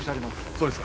そうですか。